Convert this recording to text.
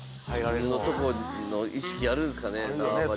自分のとこの意識あるんですかね。